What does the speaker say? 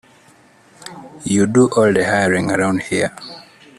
You do all the hiring around here.